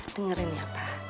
dengerin ya pa